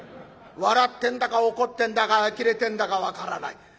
笑ってんだか怒ってんだかあきれてんだか分からない。